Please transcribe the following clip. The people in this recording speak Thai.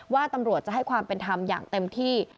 ว่าตำรวจจะให้ความเป็นธรรมอย่างเต็มที่